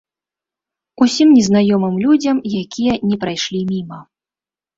Усім незнаёмым людзям, якія не прайшлі міма.